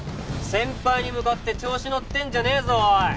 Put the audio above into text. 先輩に向かって調子のってんじゃねえぞおい！